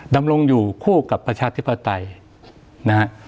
ดำรงอยู่คู่กับประชาธิปไตยนะฮะ